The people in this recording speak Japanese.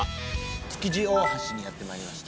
築地大橋にやってまいりました。